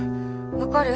分かる？